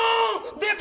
出た！